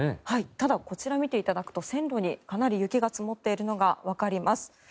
ただこちらを見ていただきますと線路にかなり雪が積もっているのが分かります。